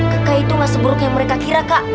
kak kak itu gak seburuk yang mereka kira kak